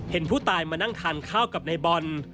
เห็นผู้ตายมานั่งทานข้าวกับนายบอล